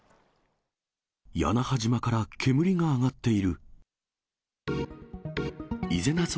屋那覇島から煙が上がってい伊是名村